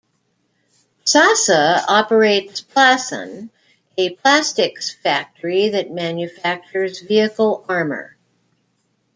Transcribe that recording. Sasa operates Plasan, a plastics factory that manufactures vehicle armour.